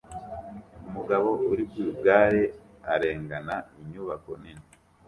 Umugabo uri ku igare arengana inyubako nini